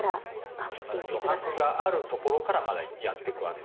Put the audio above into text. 余白があるところからまだやってくわけだ。